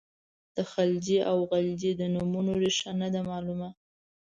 د خلجي او غلجي د نومونو ریښه نه ده معلومه.